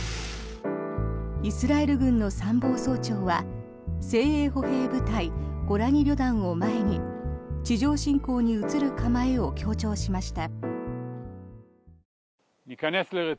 イスラエル軍の参謀総長は精鋭歩兵部隊ゴラニ旅団を前に地上侵攻に移る構えを強調しました。